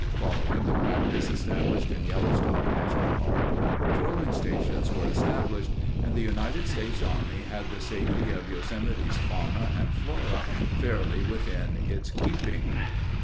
Following the practice established in Yellowstone National Park, patrolling stations were established, and the United States Army had the safety of Yosemite's fauna and flora fairly within its keeping.